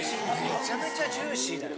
めちゃめちゃジューシーだよ。